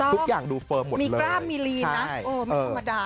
ทุกอย่างดูเฟิร์มหมดมีกล้ามมีลีนนะไม่ธรรมดา